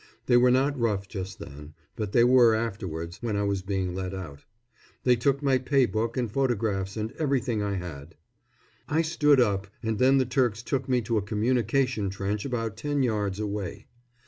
They were not rough just then, but they were afterwards, when I was being led out. They took my pay book and photographs and everything I had. I stood up, and then the Turks took me to a communication trench about ten yards away.